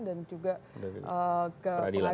dan juga kepeladilan